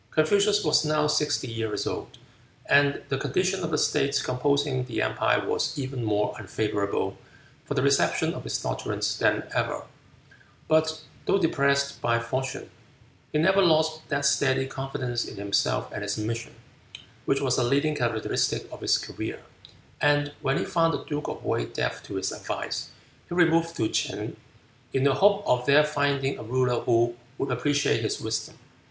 Confucius was now sixty years old, and the condition of the states composing the empire was even more unfavorable for the reception of his doctrines than ever. But though depressed by fortune, he never lost that steady confidence in himself and his mission, which was a leading characteristic of his career, and when he found the duke of Wei deaf to his advice, he removed to Ch'in, in the hope of there finding a ruler who would appreciate his wisdom.